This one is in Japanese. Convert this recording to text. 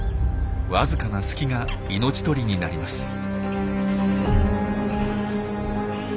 わずかな隙が命取りになります。